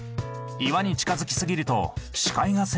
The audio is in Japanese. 岩に近づきすぎると視界が狭くなる。